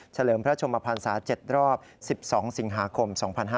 เลิมพระชมพันศา๗รอบ๑๒สิงหาคม๒๕๕๙